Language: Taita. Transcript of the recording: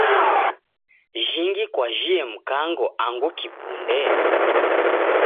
Jhingi kwajhie Mkango angu kipunde?